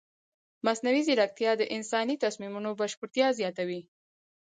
مصنوعي ځیرکتیا د انساني تصمیمونو بشپړتیا زیاتوي.